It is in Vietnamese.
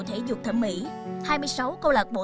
thể dục thẩm mỹ hai mươi sáu câu lạc bộ